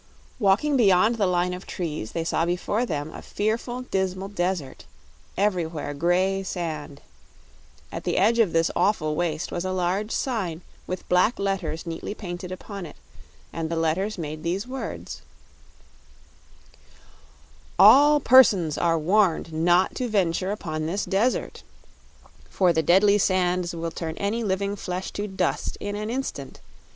Walking beyond the line of trees they saw before them a fearful, dismal desert, everywhere gray sand. At the edge of this awful waste was a large, white sign with black letters neatly painted upon it and the letters made these words: ALL PERSONS ARE WARNED NOT TO VENTURE UPON THIS DESERT For the Deadly Sands will Turn Any Living Flesh to Dust in an instant.